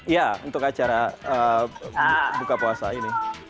iya untuk acara buka puasa ini